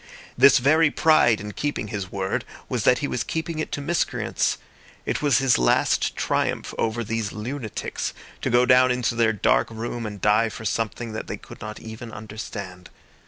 This very pride in keeping his word was that he was keeping it to miscreants. It was his last triumph over these lunatics to go down into their dark room and die for something that they could not even understand.